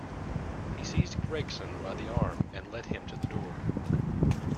He seized Gregson by the arm and led him to the door.